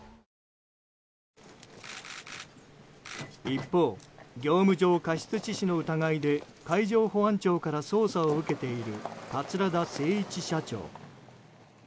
一方、業務上過失致死の疑いで海上保安庁から捜査を受けている桂田精一社長。